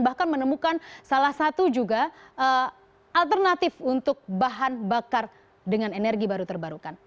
bahkan menemukan salah satu juga alternatif untuk bahan bakar dengan energi baru terbarukan